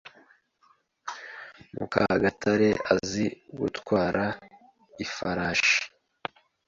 Mukagatare azi gutwara ifarashi.